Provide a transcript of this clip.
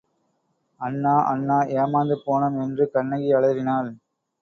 அண்ணா, அண்ணா, ஏமாந்து போனோம் என்று கண்ணகி அலறினாள்.